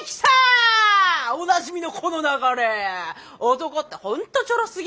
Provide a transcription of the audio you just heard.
男って本当ちょろすぎ！